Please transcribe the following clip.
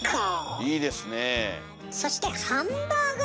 いいですねえ。